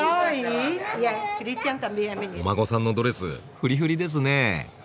お孫さんのドレスフリフリですね。